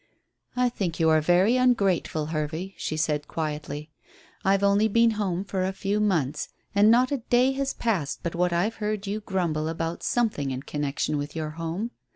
"I think you are very ungrateful, Hervey," she said quietly. "I've only been home for a few months, and not a day has passed but what I've heard you grumble about something in connection with your home.